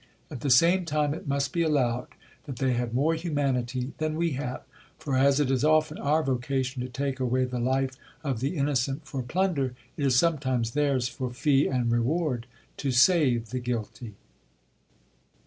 At the same time it must be allowed that they have more humanity than we have ; for as it is often our vocation to take away the life of the innocent for plunder, it is sometimes theirs for fee and reward to save the guilty.